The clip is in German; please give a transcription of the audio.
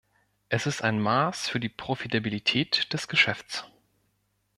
Es ist ein Maß für die Profitabilität des Geschäfts.